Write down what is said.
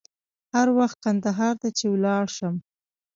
هر وخت کندهار ته چې ولاړ شم.